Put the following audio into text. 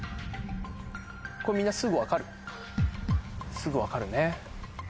すぐ分かるね。